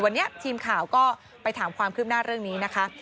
วันนี้ทีมข่าวก็ไปถามความคืบหน้าเรื่องนี้นะคะ